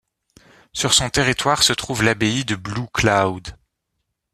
Sur son territoire se trouve l'Abbaye de Blue Cloud.